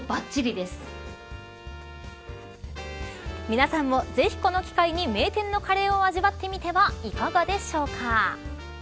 皆さんも、ぜひこの機会に名店のカレーを味わってみてはいかがでしょうか。